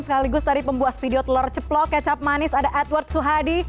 sekaligus tadi pembuas video telur ceplok kecap manis ada edward suhadi